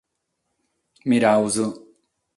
Mirados.